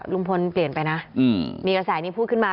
ลุงพลเปลี่ยนไปนะมีกระแสนี้พูดขึ้นมา